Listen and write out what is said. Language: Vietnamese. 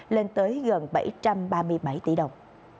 lên tới gần bảy trăm ba mươi bảy tỷ đồng